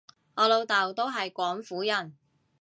我老豆都係廣府人